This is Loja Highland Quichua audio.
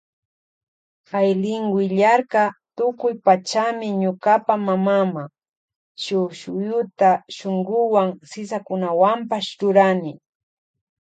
Aylin willarka tukuy pachami ñukapa mamama shuk shuyuta shunkuwan sisakunawanpash rurani.